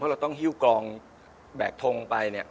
เราต้องหิ้วกองแบกทงไปเนี่ย